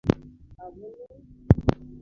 abo ni